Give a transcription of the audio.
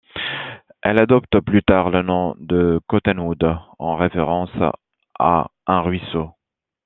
Elle adopte plus tard le nom de Cottonwood, en référence à un ruisseau.